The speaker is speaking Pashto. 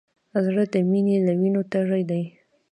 زړه د مینې له وینو تږی دی.